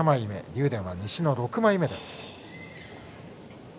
竜電は西の６枚目です。